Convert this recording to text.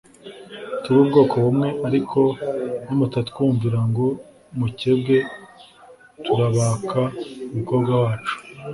tube ubwoko bumwe ariko nimutatwumvira ngo mukebwe turabaka umukobwa wacu